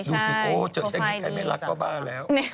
ดูสิโก้เจอแต่อยู่กันไม่รักก็บ้าแล้ว